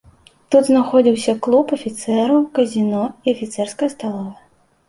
Тут знаходзіўся клуб афіцэраў, казіно і афіцэрская сталовая.